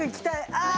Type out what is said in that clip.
ああ。